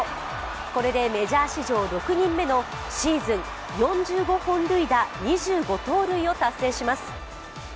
これでメジャー史上６人目のシーズン４５本塁打・２５盗塁を達成します。